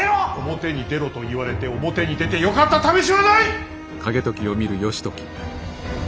表に出ろと言われて表に出てよかったためしはない！